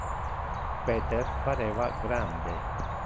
Peter pareva grande.